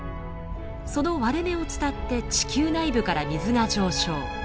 その割れ目を伝って地球内部から水が上昇。